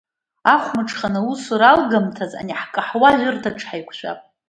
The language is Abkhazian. Ахәымҽхан, аусура алгамҭаз, ани ҳкаҳуажәырҭаҿ ҳаиқәшәап.